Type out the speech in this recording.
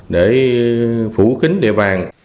để phủ kính địa bàn